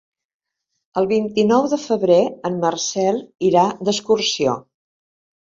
El vint-i-nou de febrer en Marcel irà d'excursió.